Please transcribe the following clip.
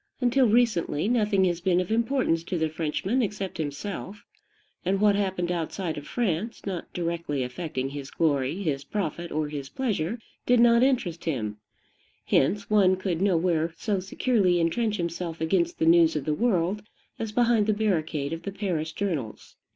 Until recently, nothing has been of importance to the Frenchman except himself; and what happened outside of France, not directly affecting his glory, his profit, or his pleasure, did not interest him: hence, one could nowhere so securely intrench himself against the news of the world as behind the barricade of the Paris journals.